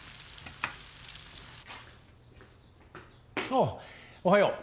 ああおはよう。